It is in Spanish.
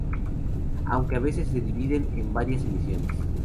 Aunque a veces se divide en varias emisiones.